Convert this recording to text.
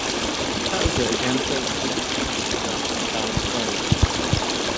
Powter again failed to re-capture the success of "Bad Day".